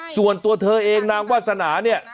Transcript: ส่วนตัวเธอเองนางวาสนาเนี่ย